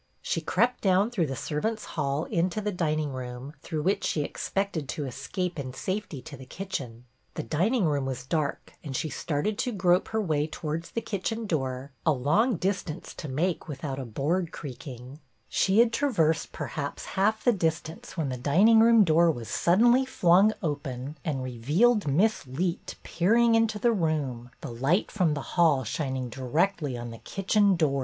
She crept down through the servants' hall into the dining room, through which she expected to escape in safety to the kitchen. The dining room was dark, and she started to grope her way towards the kitchen door, a long distance to make without a board creaking; she had traversed, perhaps, half the distance when the dining room door was sud denly flung open and revealed Miss Leet peering into the room, the light from the hall shining directly on the kitchen door.